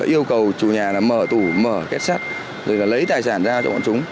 yêu cầu chủ nhà là mở tủ mở kết sắt rồi là lấy tài sản ra cho bọn chúng